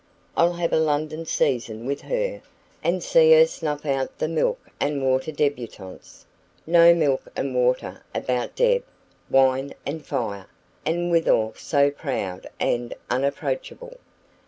I'll have a London season with her, and see her snuff out the milk and water debutantes. No milk and water about Deb wine and fire! and withal so proud and unapproachable.